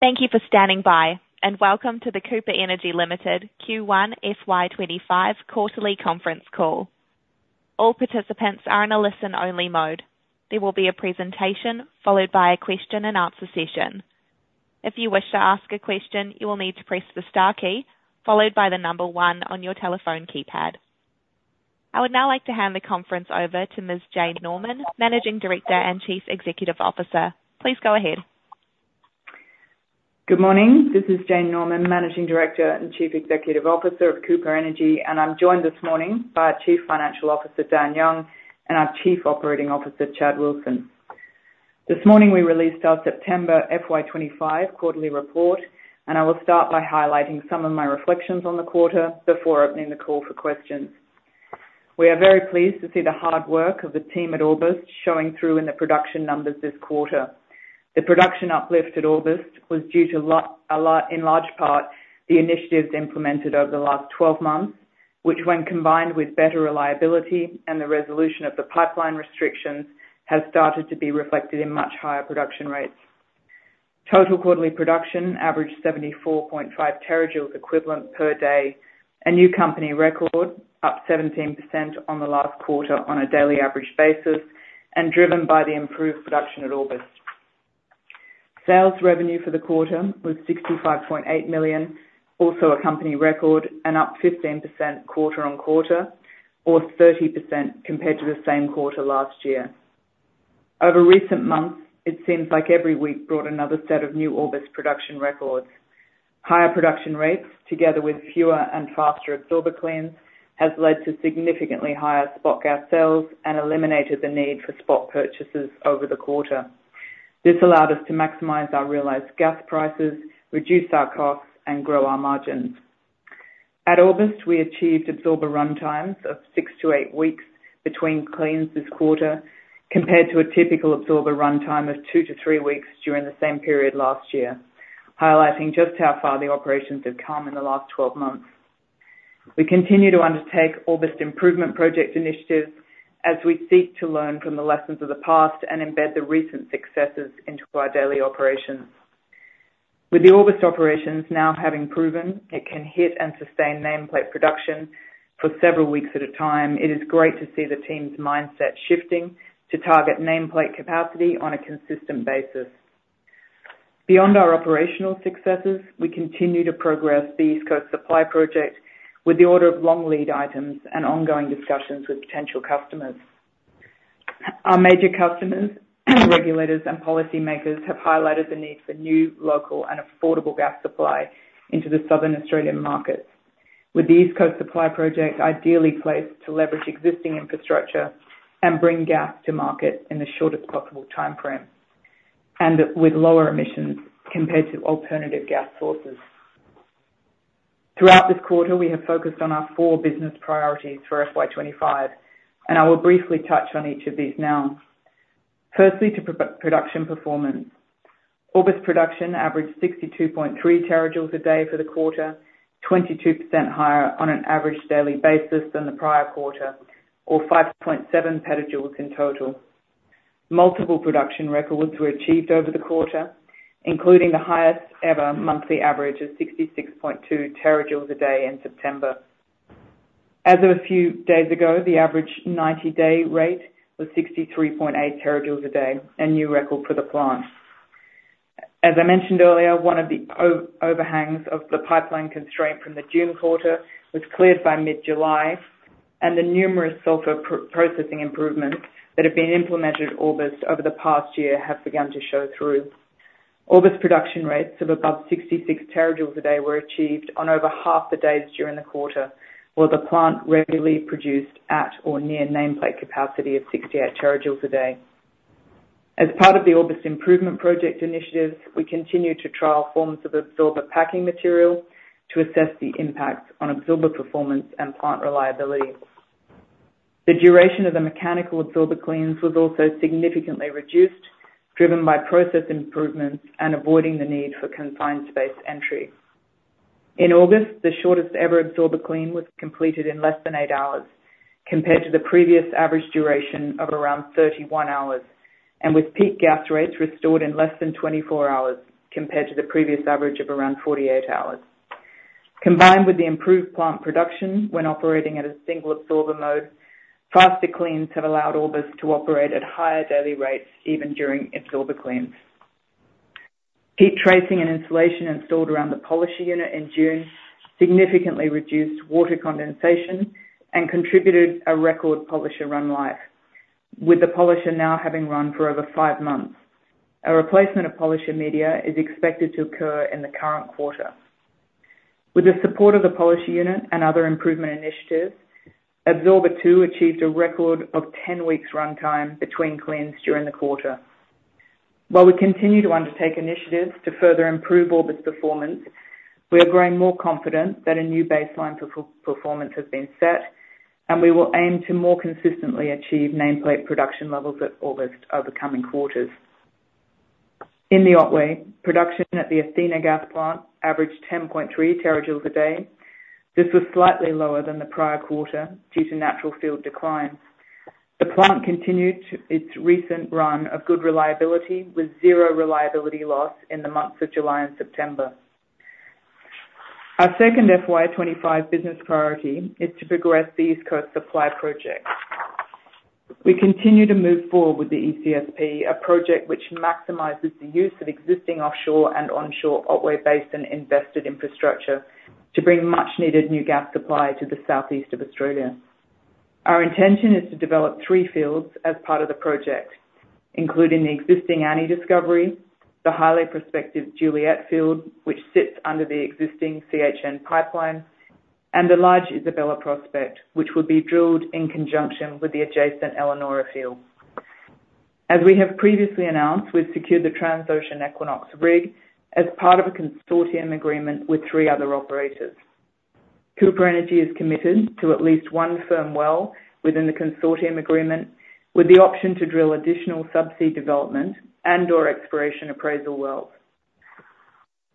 Thank you for standing by, and welcome to the Cooper Energy Limited Q1 FY twenty-five quarterly conference call. All participants are in a listen-only mode. There will be a presentation, followed by a question and answer session. If you wish to ask a question, you will need to press the star key, followed by the number one on your telephone keypad. I would now like to hand the conference over to Ms. Jane Norman, Managing Director and Chief Executive Officer. Please go ahead. Good morning. This is Jane Norman, Managing Director and Chief Executive Officer of Cooper Energy, and I'm joined this morning by our Chief Financial Officer, Dan Young, and our Chief Operating Officer, Chad Wilson. This morning, we released our September FY twenty-five quarterly report, and I will start by highlighting some of my reflections on the quarter before opening the call for questions. We are very pleased to see the hard work of the team at Orbost showing through in the production numbers this quarter. The production uplift at Orbost was due to a lot in large part, the initiatives implemented over the last 12 months, which, when combined with better reliability and the resolution of the pipeline restrictions, has started to be reflected in much higher production rates. Total quarterly production averaged 74.5 terajoules equivalent per day, a new company record, up 17% on the last quarter on a daily average basis, and driven by the improved production at Orbost. Sales revenue for the quarter was 65.8 million, also a company record, and up 15% quarter on quarter or 30% compared to the same quarter last year. Over recent months, it seems like every week brought another set of new Orbost production records. Higher production rates, together with fewer and faster absorber cleans, has led to significantly higher spot gas sales and eliminated the need for spot purchases over the quarter. This allowed us to maximize our realized gas prices, reduce our costs, and grow our margins. At Orbost, we achieved absorber runtimes of six to eight weeks between cleans this quarter, compared to a typical absorber runtime of two to three weeks during the same period last year, highlighting just how far the operations have come in the last twelve months. We continue to undertake Orbost Improvement Project initiatives as we seek to learn from the lessons of the past and embed the recent successes into our daily operations. With the Orbost operations now having proven it can hit and sustain nameplate production for several weeks at a time, it is great to see the team's mindset shifting to target nameplate capacity on a consistent basis. Beyond our operational successes, we continue to progress the East Coast Supply Project with the order of long lead items and ongoing discussions with potential customers. Our major customers, regulators, and policymakers have highlighted the need for new, local and affordable gas supply into the southern Australian markets, with the East Coast Supply Project ideally placed to leverage existing infrastructure and bring gas to market in the shortest possible timeframe and with lower emissions compared to alternative gas sources. Throughout this quarter, we have focused on our four business priorities for FY 25, and I will briefly touch on each of these now. Firstly, production performance. Orbost production averaged 62.3 terajoules a day for the quarter, 22% higher on an average daily basis than the prior quarter or 5.7 petajoules in total. Multiple production records were achieved over the quarter, including the highest-ever monthly average of 66.2 terajoules a day in September. As of a few days ago, the average 90-day rate was 63.8 terajoules a day, a new record for the plant. As I mentioned earlier, one of the overhangs of the pipeline constraint from the June quarter was cleared by mid-July, and the numerous sulfur processing improvements that have been implemented at Orbost over the past year have begun to show through. Orbost production rates of above 66 terajoules a day were achieved on over half the days during the quarter, while the plant regularly produced at or near nameplate capacity of 68 terajoules a day. As part of the Orbost Improvement Project initiatives, we continue to trial forms of absorber packing material to assess the impacts on absorber performance and plant reliability. The duration of the mechanical absorber cleans was also significantly reduced, driven by process improvements and avoiding the need for confined space entry. In Orbost, the shortest-ever absorber clean was completed in less than eight hours, compared to the previous average duration of around 31 hours, and with peak gas rates restored in less than 24 hours, compared to the previous average of around 48 hours. Combined with the improved plant production when operating at a single absorber mode, faster cleans have allowed Orbost to operate at higher daily rates, even during absorber cleans. Heat tracing and insulation installed around the polisher unit in June significantly reduced water condensation and contributed a record polisher run life, with the polisher now having run for over five months. A replacement of polisher media is expected to occur in the current quarter. With the support of the polisher unit and other improvement initiatives, Absorber Two achieved a record of 10 weeks runtime between cleans during the quarter. While we continue to undertake initiatives to further improve Orbost's performance, we are growing more confident that a new baseline performance has been set, and we will aim to more consistently achieve nameplate production levels at Orbost over coming quarters. In the Otway, production at the Athena gas plant averaged 10.3 terajoules a day. This was slightly lower than the prior quarter due to natural field decline. The plant continued its recent run of good reliability, with zero reliability loss in the months of July and September. Our second FY twenty-five business priority is to progress the East Coast Supply Project. We continue to move forward with the ECSP, a project which maximizes the use of existing offshore and onshore Otway Basin invested infrastructure, to bring much-needed new gas supply to the southeast of Australia. Our intention is to develop three fields as part of the project, including the existing Annie discovery, the highly prospective Juliet Field, which sits under the existing CHN pipeline, and the large Isabella prospect, which will be drilled in conjunction with the adjacent Elanora Field. As we have previously announced, we've secured the Transocean Equinox rig as part of a consortium agreement with three other operators. Cooper Energy is committed to at least one firm well within the consortium agreement, with the option to drill additional subsea development and/or exploration appraisal wells.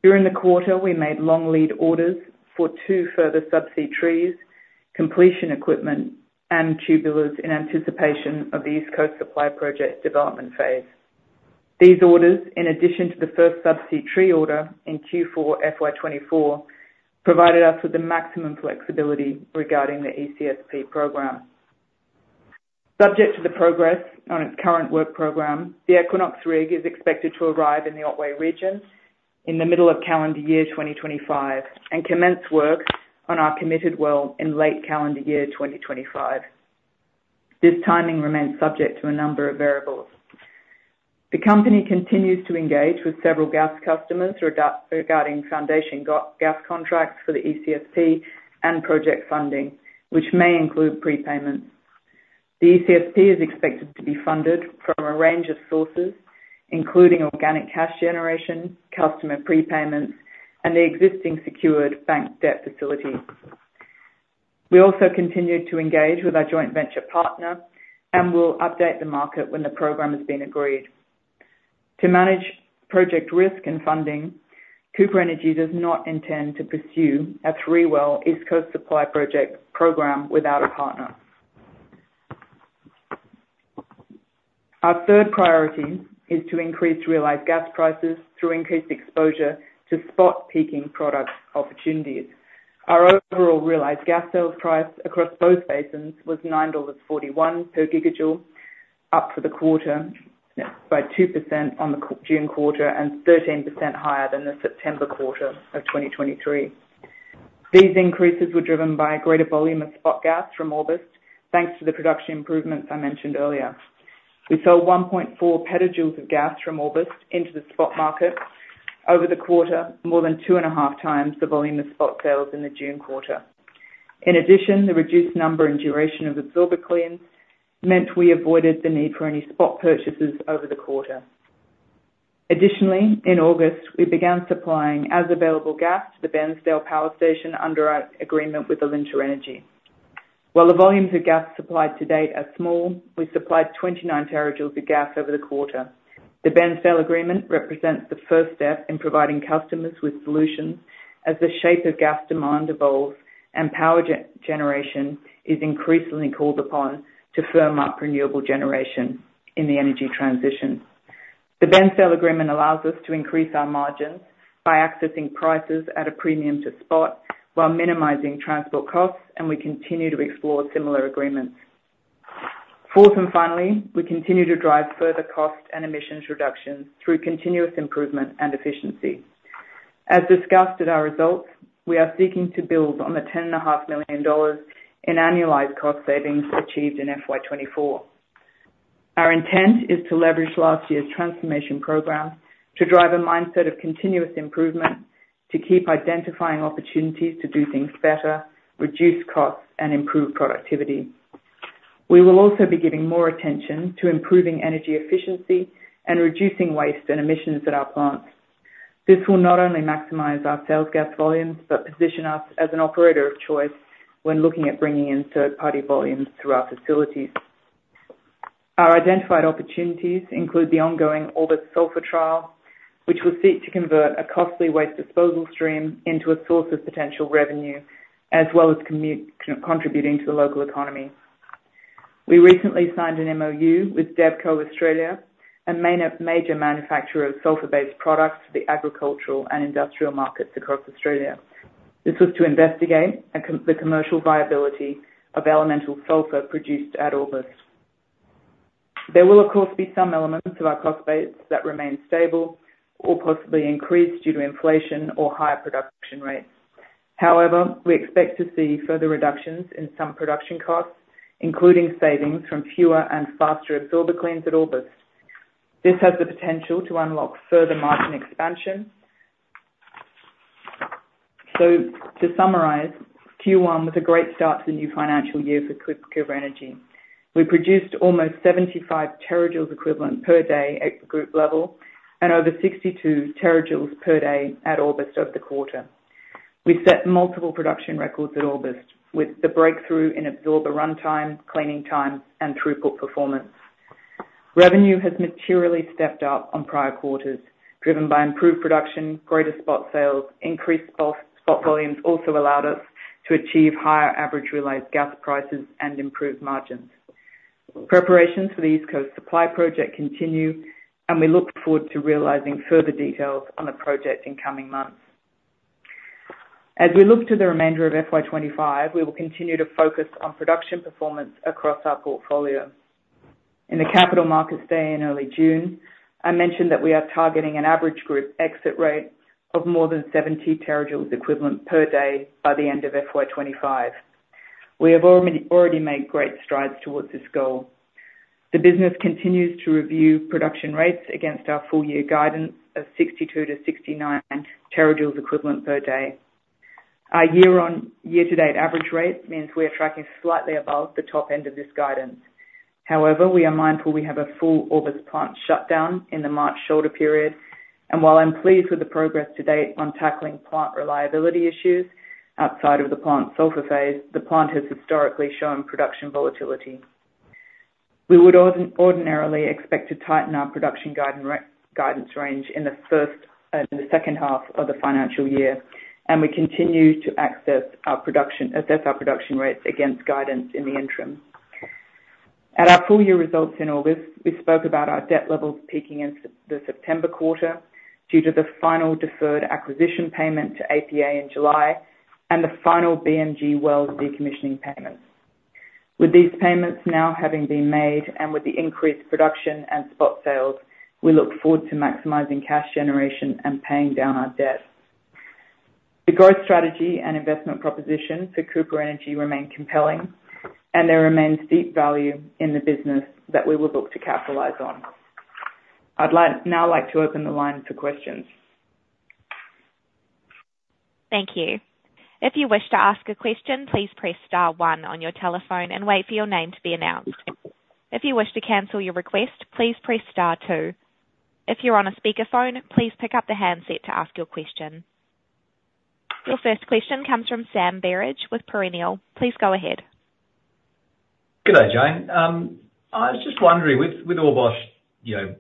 During the quarter, we made long lead orders for two further subsea trees, completion equipment, and tubulars in anticipation of the East Coast Supply Project development phase. These orders, in addition to the first subsea tree order in Q4 FY 2024, provided us with the maximum flexibility regarding the ECSP program. Subject to the progress on its current work program, the Equinox rig is expected to arrive in the Otway region in the middle of calendar year 2025 and commence work on our committed well in late calendar year 2025. This timing remains subject to a number of variables. The company continues to engage with several gas customers regarding foundation gas contracts for the ECSP and project funding, which may include prepayments. The ECSP is expected to be funded from a range of sources, including organic cash generation, customer prepayments, and the existing secured bank debt facility. We also continued to engage with our joint venture partner, and we'll update the market when the program has been agreed. To manage project risk and funding, Cooper Energy does not intend to pursue a three-well East Coast Supply Project program without a partner. Our third priority is to increase realized gas prices through increased exposure to spot peaking product opportunities. Our overall realized gas sales price across both basins was 9.41 dollars per gigajoule, up for the quarter by 2% on the June quarter and 13% higher than the September quarter of 2023. These increases were driven by a greater volume of spot gas from Orbost, thanks to the production improvements I mentioned earlier. We sold 1.4 petajoules of gas from Orbost into the spot market over the quarter, more than two and a half times the volume of spot sales in the June quarter. In addition, the reduced number and duration of absorber cleans meant we avoided the need for any spot purchases over the quarter. Additionally, in August, we began supplying as available gas to the Bairnsdale Power Station under our agreement with Alinta Energy. While the volumes of gas supplied to date are small, we supplied 29 terajoules of gas over the quarter. The Bairnsdale agreement represents the first step in providing customers with solutions as the shape of gas demand evolves and power generation is increasingly called upon to firm up renewable generation in the energy transition. The Bairnsdale agreement allows us to increase our margins by accessing prices at a premium to spot while minimizing transport costs, and we continue to explore similar agreements. Fourth, and finally, we continue to drive further cost and emissions reductions through continuous improvement and efficiency. As discussed in our results, we are seeking to build on the 10.5 million dollars in annualized cost savings achieved in FY 2024. Our intent is to leverage last year's transformation program to drive a mindset of continuous improvement, to keep identifying opportunities to do things better, reduce costs, and improve productivity. We will also be giving more attention to improving energy efficiency and reducing waste and emissions at our plants. This will not only maximize our sales gas volumes, but position us as an operator of choice when looking at bringing in third-party volumes through our facilities. Our identified opportunities include the ongoing Orbost sulfur trial, which will seek to convert a costly waste disposal stream into a source of potential revenue, as well as contributing to the local economy. We recently signed an MOU with Devco Australia, a major manufacturer of sulfur-based products for the agricultural and industrial markets across Australia. This was to investigate the commercial viability of elemental sulfur produced at Orbost. There will, of course, be some elements of our cost base that remain stable or possibly increased due to inflation or higher production rates. However, we expect to see further reductions in some production costs, including savings from fewer and faster absorber cleans at Orbost. This has the potential to unlock further margin expansion. So to summarize, Q1 was a great start to the new financial year for Cooper Energy. We produced almost seventy-five terajoules equivalent per day at the group level and over sixty-two terajoules per day at Orbost over the quarter. We set multiple production records at Orbost, with the breakthrough in absorber runtime, cleaning time, and throughput performance... Revenue has materially stepped up on prior quarters, driven by improved production, greater spot sales, increased both spot volumes also allowed us to achieve higher average realized gas prices and improved margins. Preparation for the East Coast Supply Project continues, and we look forward to realizing further details on the project in coming months. As we look to the remainder of FY 2025, we will continue to focus on production performance across our portfolio. In the capital markets day in early June, I mentioned that we are targeting an average group exit rate of more than 70 terajoules equivalent per day by the end of FY 2025. We have already made great strides towards this goal. The business continues to review production rates against our full year guidance of 62-69 terajoules equivalent per day. Our year on year-to-date average rate means we are tracking slightly above the top end of this guidance. However, we are mindful we have a full Orbost plant shutdown in the March shoulder period, and while I'm pleased with the progress to date on tackling plant reliability issues outside of the plant sulfur phase, the plant has historically shown production volatility. We would ordinarily expect to tighten our production guide and guidance range in the second half of the financial year, and we continue to assess our production rates against guidance in the interim. At our full year results in August, we spoke about our debt levels peaking in the September quarter due to the final deferred acquisition payment to APA in July and the final BMG well decommissioning payments. With these payments now having been made, and with the increased production and spot sales, we look forward to maximizing cash generation and paying down our debt. The growth strategy and investment proposition for Cooper Energy remain compelling, and there remains deep value in the business that we will look to capitalize on. I'd like now to open the line for questions. Thank you. If you wish to ask a question, please press star one on your telephone and wait for your name to be announced. If you wish to cancel your request, please press star two. If you're on a speakerphone, please pick up the handset to ask your question. Your first question comes from Sam Berridge with Perennial. Please go ahead. Good day, Jane. I was just wondering, with Orbost, you know,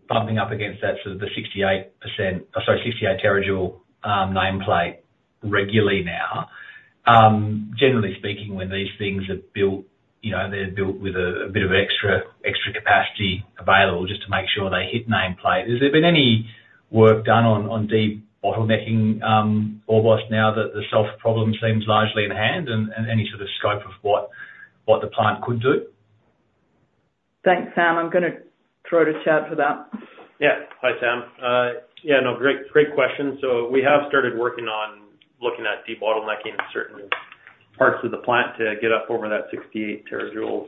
bumping up against that sort of the 68%, or sorry, 68 terajoule nameplate regularly now, generally speaking, when these things are built, you know, they're built with a bit of extra capacity available just to make sure they hit nameplate. Has there been any work done on de-bottlenecking Orbost now that the sulfur problem seems largely in hand and any sort of scope of what the plant could do? Thanks, Sam. I'm gonna throw to Chad for that. Yeah. Hi, Sam. Yeah, no, great, great question. So we have started working on looking at de-bottlenecking in certain parts of the plant to get up over that sixty-eight terajoules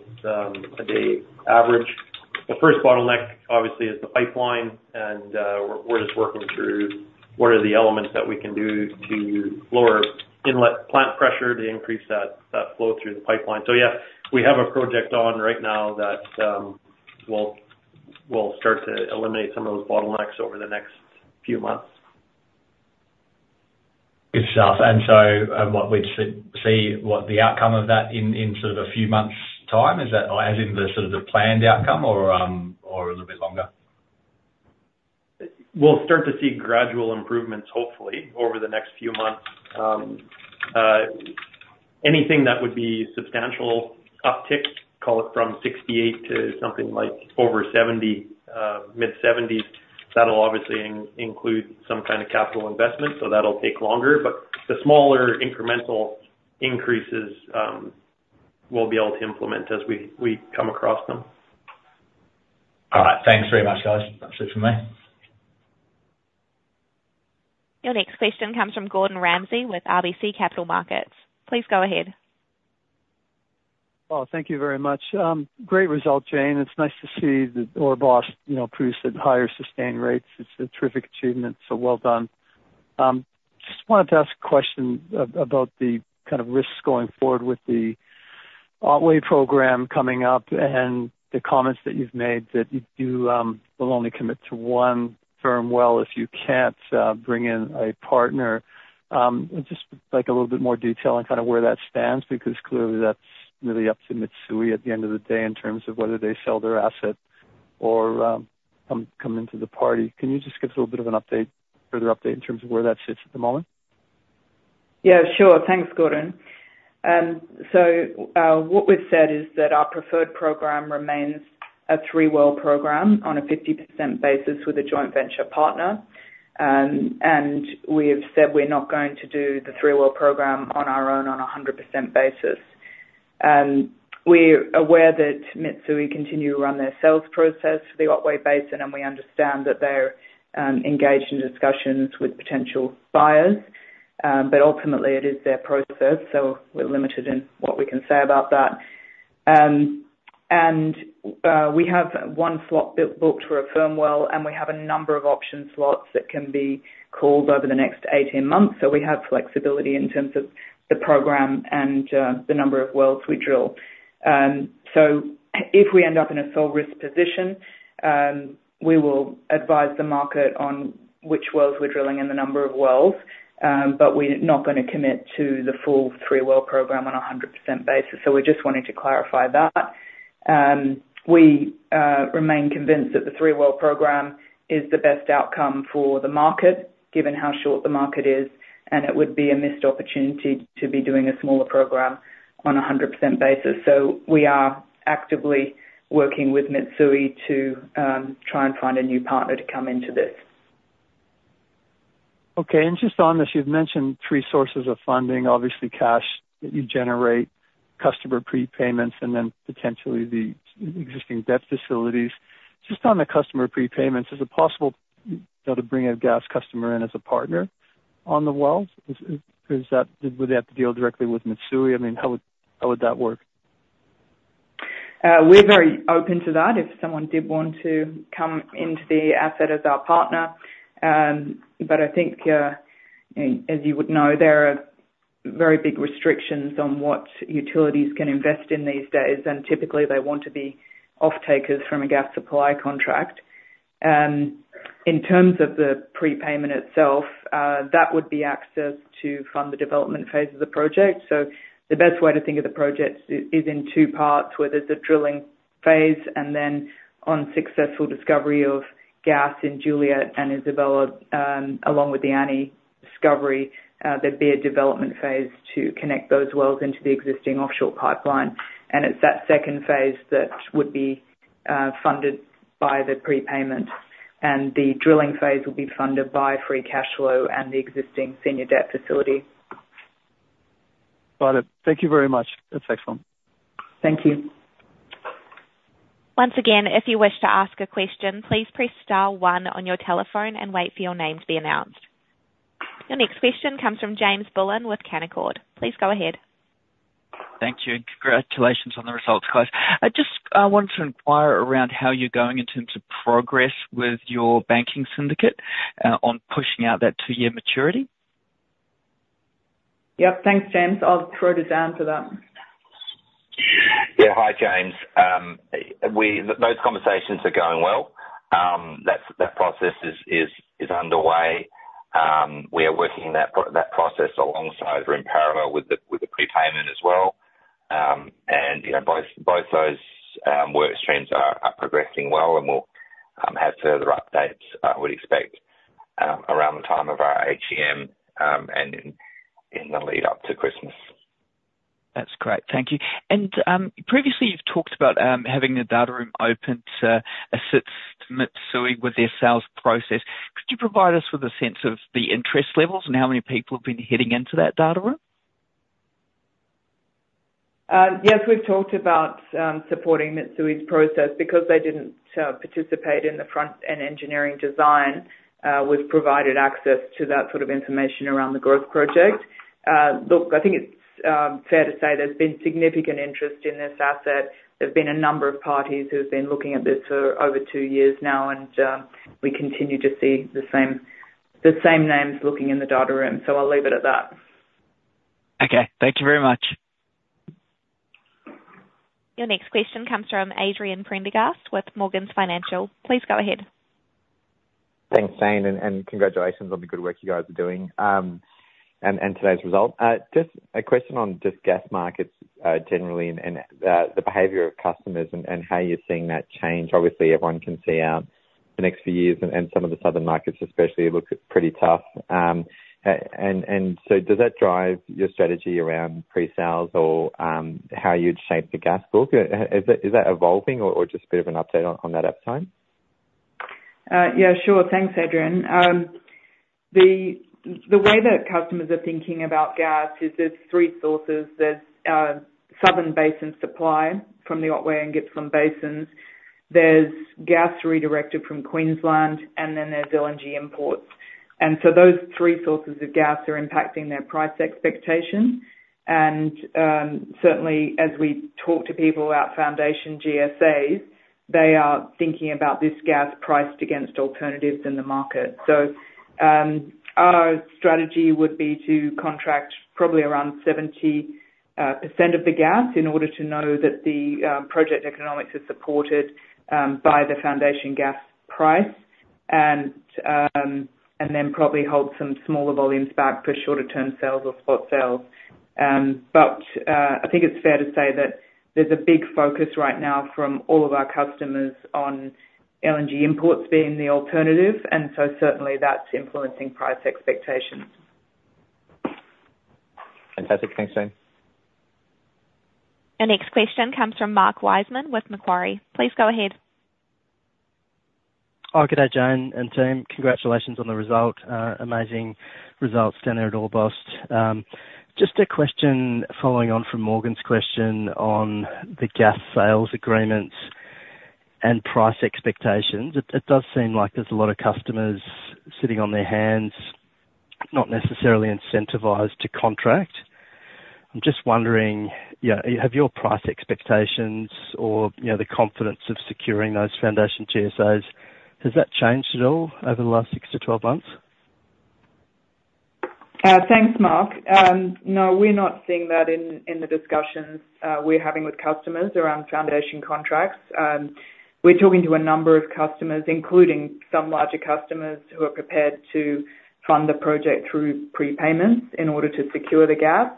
a day average. The first bottleneck, obviously, is the pipeline, and we're just working through what are the elements that we can do to lower inlet plant pressure to increase that flow through the pipeline. So yeah, we have a project on right now that will start to eliminate some of those bottlenecks over the next few months. Good stuff. And so, what we'd see, what the outcome of that in sort of a few months' time, is that as in the sort of planned outcome or a little bit longer? We'll start to see gradual improvements, hopefully, over the next few months. Anything that would be substantial uptick, call it from sixty-eight to something like over seventy, mid-seventies, that'll obviously include some kind of capital investment, so that'll take longer. But the smaller incremental increases, we'll be able to implement as we come across them. All right. Thanks very much, guys. That's it for me. Your next question comes from Gordon Ramsay with RBC Capital Markets. Please go ahead. Thank you very much. Great result, Jane. It's nice to see that Orbost, you know, produce at higher sustained rates. It's a terrific achievement, so well done. Just wanted to ask a question about the kind of risks going forward with the Otway program coming up and the comments that you've made that you will only commit to one firm well if you can't bring in a partner. I'd just like a little bit more detail on kind of where that stands, because clearly that's really up to Mitsui at the end of the day, in terms of whether they sell their asset or come into the party. Can you just give us a little bit of an update, further update in terms of where that sits at the moment? Yeah, sure. Thanks, Gordon. So, what we've said is that our preferred program remains a three-well program on a 50% basis with a joint venture partner. We have said we're not going to do the three-well program on our own on a 100% basis. We're aware that Mitsui continue to run their sales process for the Otway Basin, and we understand that they're engaged in discussions with potential buyers, but ultimately it is their process, so we're limited in what we can say about that. We have one slot booked for a firm well, and we have a number of option slots that can be called over the next 18 months. So we have flexibility in terms of the program and the number of wells we drill. So if we end up in a sole risk position, we will advise the market on which wells we're drilling and the number of wells, but we're not gonna commit to the full three-well program on a 100% basis. So we're just wanting to clarify that. We remain convinced that the three well program is the best outcome for the market, given how short the market is, and it would be a missed opportunity to be doing a smaller program on a 100% basis. So we are actively working with Mitsui to try and find a new partner to come into this. Okay. And just on this, you've mentioned three sources of funding: obviously, cash that you generate, customer prepayments, and then potentially the existing debt facilities. Just on the customer prepayments, is it possible, you know, to bring a gas customer in as a partner on the wells? Is that-- would they have to deal directly with Mitsui? I mean, how would, how would that work? We're very open to that, if someone did want to come into the asset as our partner. But I think, as you would know, there are very big restrictions on what utilities can invest in these days, and typically they want to be off-takers from a gas supply contract. In terms of the prepayment itself, that would be access to fund the development phase of the project. So the best way to think of the project is in two parts, where there's a drilling phase, and then on successful discovery of gas in Juliet and Isabella, along with the Annie discovery, there'd be a development phase to connect those wells into the existing offshore pipeline. It's that second phase that would be funded by the prepayment, and the drilling phase will be funded by free cashflow and the existing senior debt facility. Got it. Thank you very much. That's excellent. Thank you. Once again, if you wish to ask a question, please press star one on your telephone and wait for your name to be announced. The next question comes from James Bullen with Canaccord. Please go ahead. Thank you, and congratulations on the results, guys. I just wanted to inquire around how you're going in terms of progress with your banking syndicate on pushing out that two-year maturity. Yep. Thanks, James. I'll throw to Dan for that. Yeah. Hi, James. Those conversations are going well. That process is underway. We are working that process alongside or in parallel with the prepayment as well, and you know, both those work streams are progressing well, and we'll have further updates, I would expect, around the time of our AGM, and in the lead up to Christmas. That's great. Thank you. And, previously you've talked about, having the data room open to assist Mitsui with their sales process. Could you provide us with a sense of the interest levels and how many people have been heading into that data room? Yes, we've talked about supporting Mitsui's process. Because they didn't participate in the front-end engineering design, we've provided access to that sort of information around the growth project. Look, I think it's fair to say there's been significant interest in this asset. There's been a number of parties who have been looking at this for over two years now, and we continue to see the same, the same names looking in the data room, so I'll leave it at that. Okay. Thank you very much. Your next question comes from Adrian Prendergast with Morgans Financial. Please go ahead. Thanks, Jane, and congratulations on the good work you guys are doing. And today's result. Just a question on just gas markets, generally, and the behavior of customers and how you're seeing that change. Obviously, everyone can see the next few years and some of the southern markets especially look pretty tough. And so does that drive your strategy around pre-sales or how you'd shape the gas book? Is that evolving or just a bit of an update on that upside? Yeah, sure. Thanks, Adrian. The way that customers are thinking about gas is there's three sources. There's southern basin supply from the Otway and Gippsland Basins, there's gas redirected from Queensland, and then there's LNG imports, and so those three sources of gas are impacting their price expectations, and certainly, as we talk to people about Foundation GSAs, they are thinking about this gas priced against alternatives in the market, so our strategy would be to contract probably around 70% of the gas in order to know that the project economics is supported by the foundation gas price, and then probably hold some smaller volumes back for shorter-term sales or spot sales. I think it's fair to say that there's a big focus right now from all of our customers on LNG imports being the alternative, and so certainly that's influencing price expectations. Fantastic. Thanks, Jane. Our next question comes from Mark Wiseman with Macquarie. Please go ahead. Oh, g'day, Jane and team. Congratulations on the result. Amazing results down there at Orbost. Just a question following on from Morgan's question on the gas sales agreements and price expectations. It does seem like there's a lot of customers sitting on their hands, not necessarily incentivized to contract. I'm just wondering, you know, have your price expectations or, you know, the confidence of securing those foundation GSAs, has that changed at all over the last six to twelve months? Thanks, Mark. No, we're not seeing that in the discussions we're having with customers around foundation contracts. We're talking to a number of customers, including some larger customers, who are prepared to fund the project through prepayments in order to secure the gas,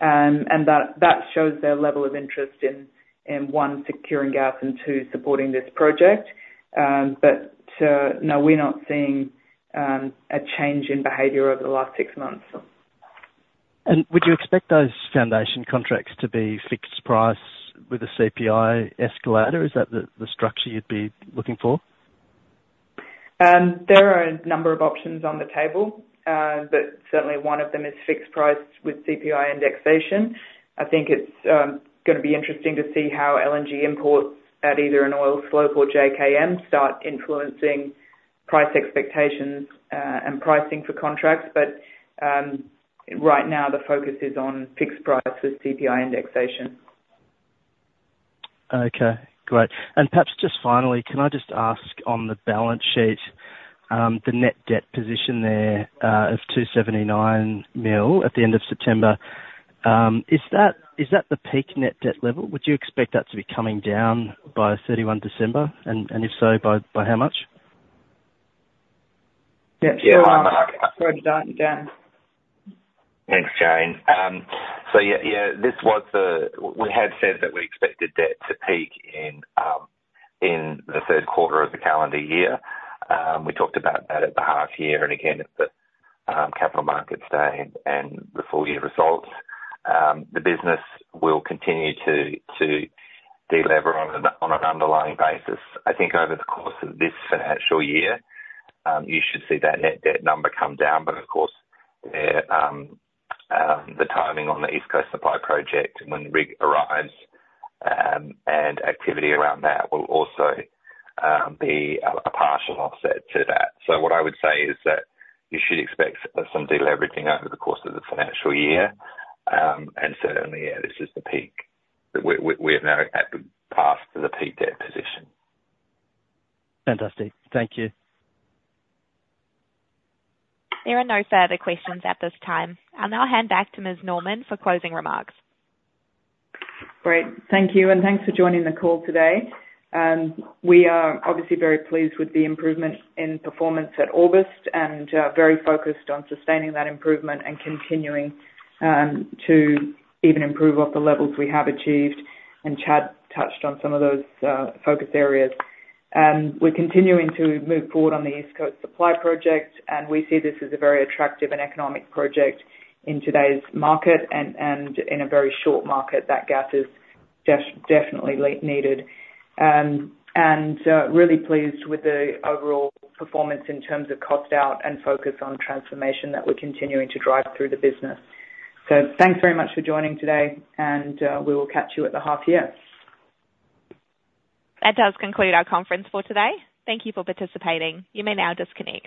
and that shows their level of interest in one, securing gas, and two, supporting this project, but no, we're not seeing a change in behavior over the last six months. Would you expect those foundation contracts to be fixed price with a CPI escalator? Is that the structure you'd be looking for? There are a number of options on the table, but certainly one of them is fixed price with CPI indexation. I think it's gonna be interesting to see how LNG imports at either an oil slope or JKM start influencing price expectations, and pricing for contracts. But right now, the focus is on fixed price with CPI indexation. Okay, great. And perhaps just finally, can I just ask on the balance sheet, the net debt position there, of $279 million at the end of September, is that the peak net debt level? Would you expect that to be coming down by thirty-one December? And if so, by how much? Yeah, sure. Thanks, Jane. So yeah, yeah, this was the... We had said that we expected debt to peak in the third quarter of the calendar year. We talked about that at the half year and again, at the capital markets day and the full year results. The business will continue to delever on an underlying basis. I think over the course of this financial year, you should see that net debt number come down, but of course, the timing on the East Coast Supply Project, when rig arrives, and activity around that will also be a partial offset to that. So what I would say is that you should expect some deleveraging over the course of the financial year, and certainly, yeah, this is the peak. We're now past the peak debt position. Fantastic. Thank you. There are no further questions at this time. I'll now hand back to Ms. Norman for closing remarks. Great. Thank you, and thanks for joining the call today. We are obviously very pleased with the improvement in performance at August, and very focused on sustaining that improvement and continuing to even improve off the levels we have achieved, and Chad touched on some of those focus areas. We're continuing to move forward on the East Coast Supply Project, and we see this as a very attractive and economic project in today's market and in a very short market that gas is definitely needed. And really pleased with the overall performance in terms of cost out and focus on transformation that we're continuing to drive through the business. Thanks very much for joining today, and we will catch you at the half year. That does conclude our conference for today. Thank you for participating. You may now disconnect.